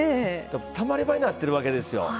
たまり場になってるわけですよ。